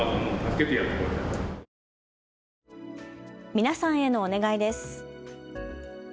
皆さんへのお願いです。